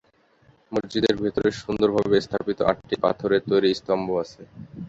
মসজিদের ভেতরে সুন্দরভাবে স্থাপিত আটটি পাথরের তৈরি স্তম্ভ আছে।